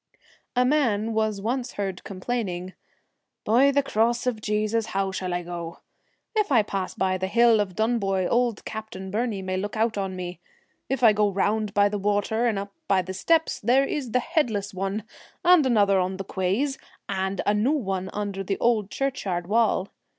A man was once heard complaining, ' By the cross of Jesus! how shall I go? If I pass by the hill of Dunboy old Captain Burney may look out on me. If I go round by the water, and up by the steps, there is the headless one and another on the quays, and a new one under the old churchyard wall.